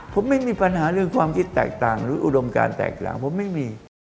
ผมไม่มีปัญหาเรื่องความคิดแตกต่างหรืออุดมการแตกหลังผมไม่มี